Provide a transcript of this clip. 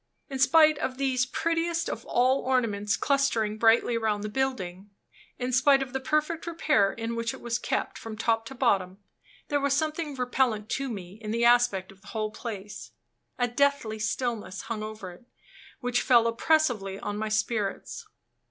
In spite of these prettiest of all ornaments clustering brightly round the building in spite of the perfect repair in which it was kept from top to bottom there was something repellent to me in the aspect of the whole place: a deathly stillness hung over it, which fell oppressively on my spirits.